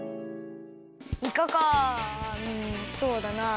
いかかうんそうだな。